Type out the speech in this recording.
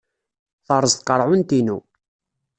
Terreẓ tqerɛunt-inu.